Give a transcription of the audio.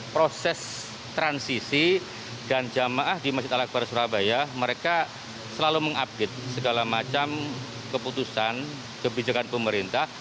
proses transisi dan jamaah di masjid al akbar surabaya mereka selalu mengupdate segala macam keputusan kebijakan pemerintah